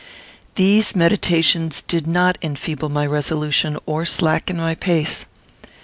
These meditations did not enfeeble my resolution, or slacken my pace.